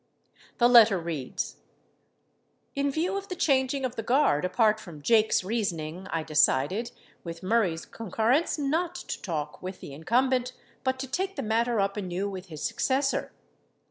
The letter reads : In view of the changing of the guard, apart from Jake's rea soning, I decided, with Murray's concurrence, not to talk with the incumbent but to take the matter up anew with his suc cessor.